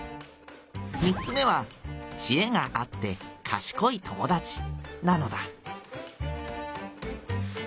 三つ目は知恵があってかしこい友だちなのだ」。